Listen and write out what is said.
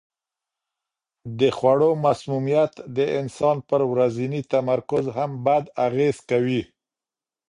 د خوړو مسمومیت د انسان پر ورځني تمرکز هم بد اغېز کوي.